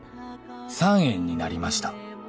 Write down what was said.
「３円になりました」